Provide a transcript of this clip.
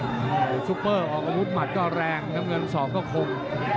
โอ้ซุปเปอร์ออกกระพุทธหมัดก็แรงน้ำเงินสอบก็คม